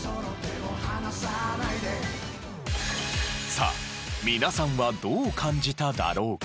さあ皆さんはどう感じただろうか？